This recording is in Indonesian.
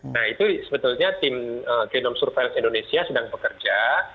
nah itu sebetulnya tim genome surveillance indonesia sedang bekerja